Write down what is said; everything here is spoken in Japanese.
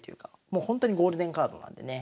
もうほんとにゴールデンカードなんでね。